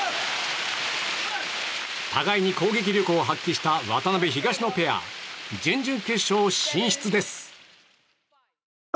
互いに攻撃力を発揮したワタガシペア準々決勝進出です。